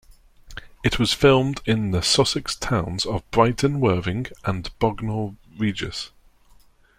It was filmed in the Sussex towns of Brighton, Worthing and Bognor Regis.